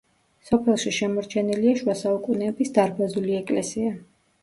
სოფელში შემორჩენილია შუა საუკუნეების დარბაზული ეკლესია.